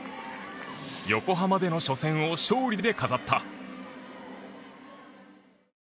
横浜での初戦を勝利で飾った。